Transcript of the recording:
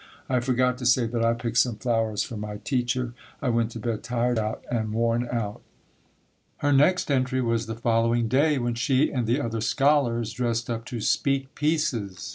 I forgot to say that I picked some flowers for my teacher. I went to bed tired out and worn out." Her next entry was the following day when she and the other scholars dressed up to "speak pieces."